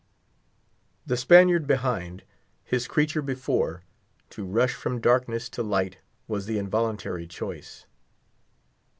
The Spaniard behind—his creature before: to rush from darkness to light was the involuntary choice.